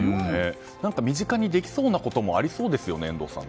身近でできそうなこともありそうですよね、遠藤さん。